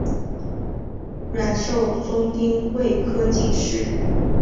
阮寿松丁未科进士。